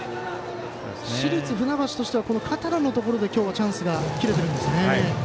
市立船橋としては片野のところで今日はチャンスが切れてるんですね。